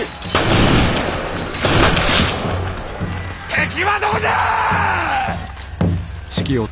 敵はどこじゃ！